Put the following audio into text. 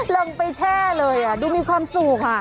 ลงไปแช่เลยดูมีความสุขค่ะ